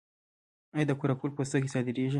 آیا د قره قل پوستکي صادریږي؟